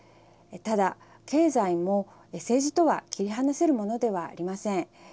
ただ、経済も政治とは切り離せるものではありません。